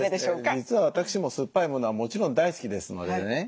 実は私も酸っぱいものはもちろん大好きですのでね